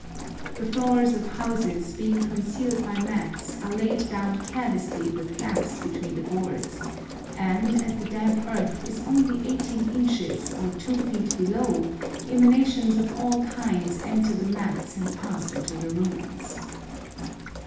The floors of houses, being concealed by mats, are laid down carelessly with gaps between the boards, and, as the damp earth is only 18 inches or 2 feet below, emanations of all kinds enter the mats and pass into the rooms.